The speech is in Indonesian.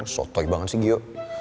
sotoi banget sih gio